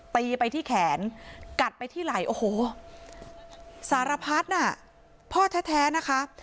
ตีไปที่แขนกัดไปที่ไหล่โอ้โหสารพัดน่ะพ่อแท้นะคะ